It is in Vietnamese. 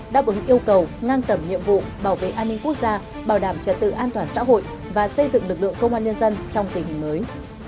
đáp ứng yêu cầu ngang tầm nhiệm vụ bảo vệ an ninh quốc gia bảo đảm trật tự an toàn xã hội và xây dựng lực lượng công an nhân dân trong tình hình mới